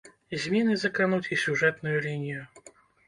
Змены закрануць і сюжэтную лінію.